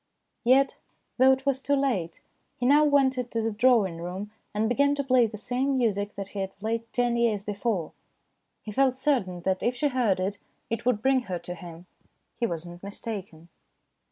Yet, though it was too late, he now went into the drawing room and began to play the same music that he had played ten years before. He felt certain that if she heard it it would bring her to him. He was not mistaken.